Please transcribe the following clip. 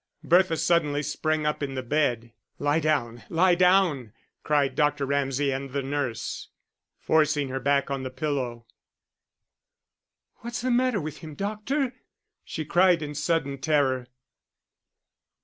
Bertha suddenly sprang up in the bed. "Lie down. Lie down," cried Dr. Ramsay and the nurse, forcing her back on the pillow. "What's the matter with him, doctor," she cried, in sudden terror.